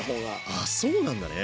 あっそうなんだね！